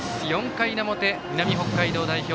４回の表、南北海道代表